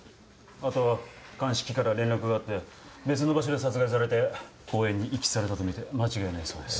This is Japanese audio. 後鑑識から連絡があって別の場所で殺害されて公園に遺棄されたと見て間違いないそうです。